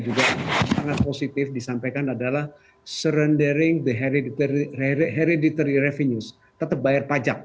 juga sangat positif disampaikan adalah surrendering the hereditary revenues tetap bayar pajak